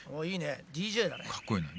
いいねＤＪだね。